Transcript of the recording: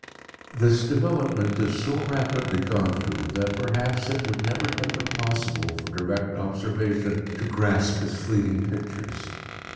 This development is so rapidly gone through that perhaps it would never have been possible for direct observation to grasp its fleeting pictures.